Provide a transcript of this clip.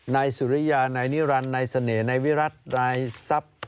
นายสุริยานายนิรันดิ์นายเสน่ห์นายวิรัตินายทรัพย์